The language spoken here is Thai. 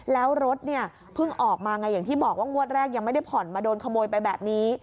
แล้วรถเนี่ยเพิ่งออกมาไงอย่างที่บอกว่างวดแรกยังไม่ได้ผ่อนมาโดนขโมยไปแบบนี้